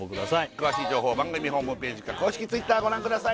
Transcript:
詳しい情報は番組ホームページか公式Ｔｗｉｔｔｅｒご覧ください